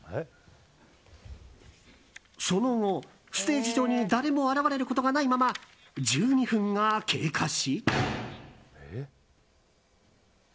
その後、ステージ上に誰も現れることがないまま１２分が経過し。